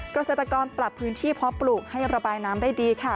เกษตรกรปรับพื้นที่เพาะปลูกให้ระบายน้ำได้ดีค่ะ